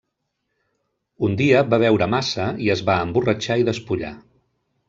Un dia va beure massa i es va emborratxar i despullar.